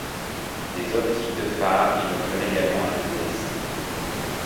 Les optiques de phares inaugurent également un nouveau dessin.